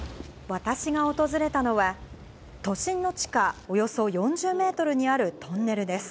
私が訪れたのは、都心の地下およそ４０メートルにあるトンネルです。